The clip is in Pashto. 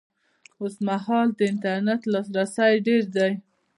اوس مهال د انټرنېټ لاسرسی ډېر دی